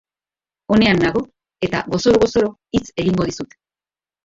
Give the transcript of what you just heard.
Onean nago, eta gozoro-gozoro hitz egingo dizut.